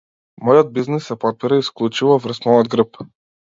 Мојот бизнис се потпира исклучиво врз мојот грб.